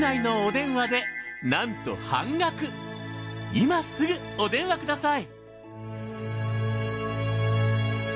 今すぐお電話ください。